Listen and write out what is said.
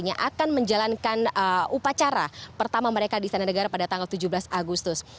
yang akan menjalankan upacara pertama mereka di sana negara pada tanggal tujuh belas agustus